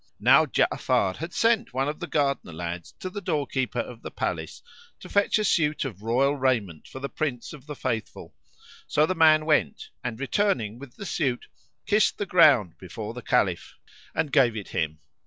Now Ja'afar had sent one of the gardener lads to the doorkeeper of the palace to fetch a suit of royal raiment for the Prince of the Faithful; so the man went and, returning with the suit, kissed the ground before the Caliph and gave it him.